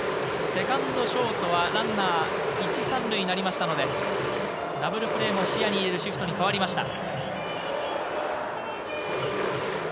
セカンド、ショートはランナー１・３塁になりましたので、ダブルプレーも視野に入れるシフトに変わりました。